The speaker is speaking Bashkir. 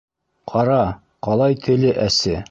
Ҡара, ҡалай теле әсе!